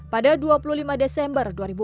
pada dua puluh lima desember dua ribu enam